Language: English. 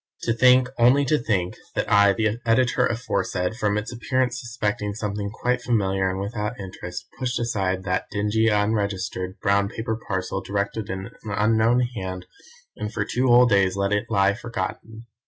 To think only to think that I, the Editor aforesaid, from its appearance suspecting something quite familiar and without interest, pushed aside that dingy, unregistered, brown paper parcel directed in an unknown hand, and for two whole days let it lie forgotten.